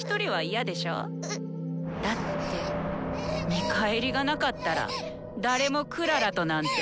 だって見返りがなかったら誰もクララとなんて。